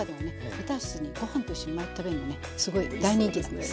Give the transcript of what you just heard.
レタスにご飯と一緒に巻いて食べるのねすごい大人気なんです。